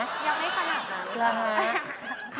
ยังไม่ขนาดนั้นเลยค่ะ